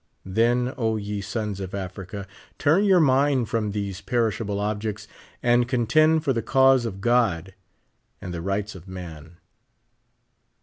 Then, O ye sous of Africa, turn your mind from these perish able objects, and contend for' the cause of God and the rights of man.